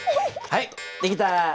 はいできた。